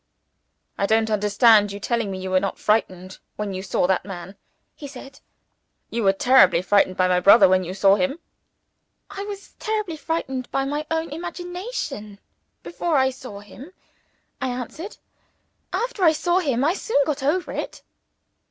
"I don't understand your telling me you were not frightened when you saw that man," he said. "You were terribly frightened by my brother, when you saw him." "I was terribly frightened by my own imagination, before I saw him," I answered. "After I saw him, I soon got over it."